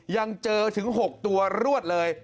ยังเจอถึง๖ตัวรวดเลย